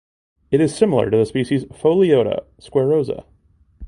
It is similar to the species "Pholiota squarrosa".